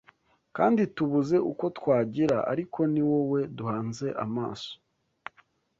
kandi tubuze uko twagira; ariko ni wowe duhanze amaso